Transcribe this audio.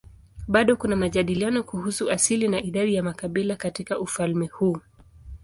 Bado kuna majadiliano kuhusu asili na idadi ya makabila katika ufalme huu.